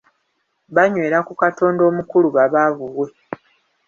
Baanywera ku katonda omukulu ba baabuwe.